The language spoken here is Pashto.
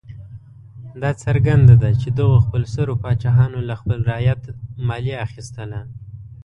دا څرګنده ده چې دغو خپلسرو پاچاهانو له خپل رعیت مالیه اخیستله.